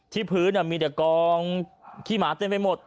ที่พื้นเนี่ยมีเดี๋ยวกองขี้หมาเต็มไปหมด